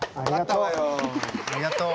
ありがとう。